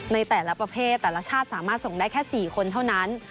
ในแต่ละประเภทแต่ละชาติสามารถส่งได้แค่๔คนเท่านั้น